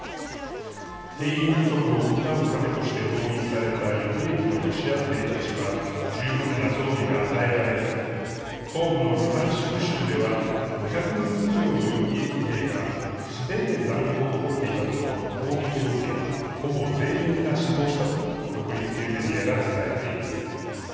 兵員不足を補うためとして動員された予備役のロシア兵たちは十分な装備が与えられず東部のルハンシク州では５００人以上の予備役兵が素手でざんごうを掘っていたところ砲撃を受け、ほぼ全員が死亡したと独立系メディアが伝えています。